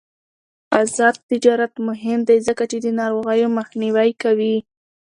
آزاد تجارت مهم دی ځکه چې د ناروغیو مخنیوی کوي.